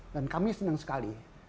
dan kami senang sekali